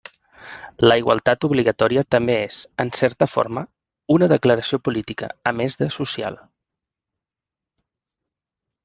La igualtat obligatòria també és, en certa forma, una declaració política a més de social.